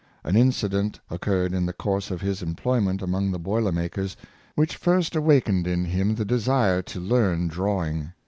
An incident occurred in the course of his employment among the boiler makers, which first awakened in him the desire to learn drawing.